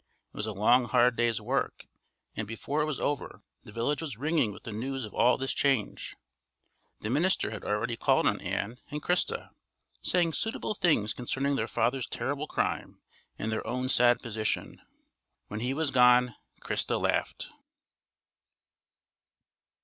It was a long hard day's work, and before it was over the village was ringing with the news of all this change. The minister had already called on Ann and Christa, saying suitable things concerning their father's terrible crime and their own sad position. When he was gone Christa laughed.